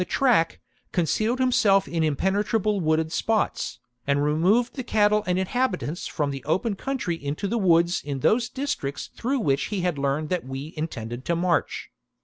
140 CAESAR'S SECOND INVASION book track, concealed himself in impenetrable wooded spots, and removed the cattle and inhabitants from the open country into the woods in those districts through which he had learned that we intended to march.